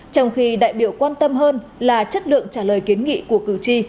trong khi đại biểu quan tâm hơn là chất lượng trả lời kiến nghị của cử tri